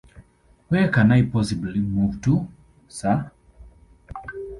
Where can I possibly move to, sir?